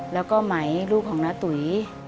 แล้วก็ไหมลูกของน้าตุ๋ย